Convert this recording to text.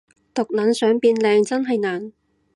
毒撚想變靚真係難